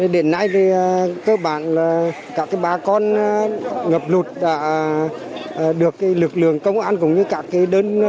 đến nay các bà con ngập lụt đã được lực lượng công an cũng như các đơn